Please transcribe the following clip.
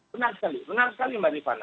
benar sekali menarik sekali mbak rifana